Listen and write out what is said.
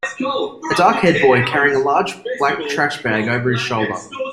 A darkhaired boy carrying a large black trash bag over his shoulder.